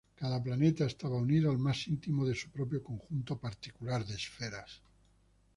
Cada planeta estaba unido al más íntimo de su propio conjunto particular de esferas.